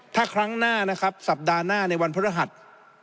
ถ้าครั้งหน้านะครับสัปดาห์หน้าในวันพระรหัส